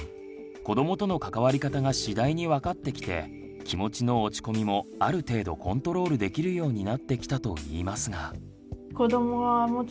子どもとの関わり方が次第に分かってきて気持ちの落ち込みもある程度コントロールできるようになってきたといいますが。